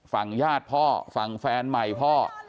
ฝั่งญาติพ่อฝั่งแฟนใหม่พ่อ